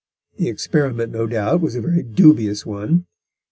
The experiment, no doubt, was a very dubious one.